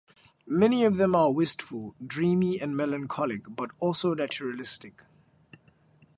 Many of them are wistful, dreamy and melancholic but also naturalistic.